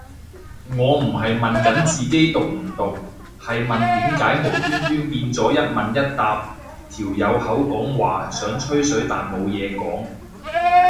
我唔係問緊自己毒唔毒，係問點解無端端變咗一問一答，條友口講話想吹水但冇嘢講